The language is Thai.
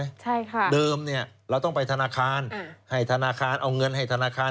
ใช่ค่ะเดิมเนี่ยเราต้องไปธนาคารให้ธนาคารเอาเงินให้ธนาคาร